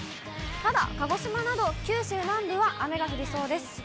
ただ鹿児島など、九州南部は雨が降りそうです。